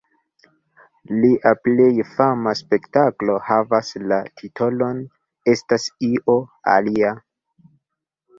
Lia plej fama spektaklo havas la titolon "Estas io alia".